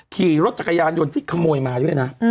ขี่รถจักรยานที่กำโนยมาด้วยนะ